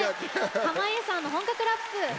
濱家さんの本格ラップ。